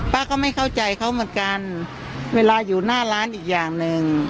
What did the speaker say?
ก็ไม่เข้าใจเขาเหมือนกันเวลาอยู่หน้าร้านอีกอย่างหนึ่ง